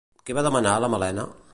Què va demanar la Malena?